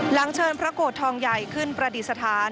เชิญพระโกรธทองใหญ่ขึ้นประดิษฐาน